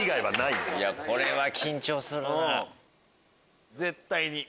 これは緊張するなぁ。